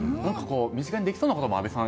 身近にできそうなことも阿部さん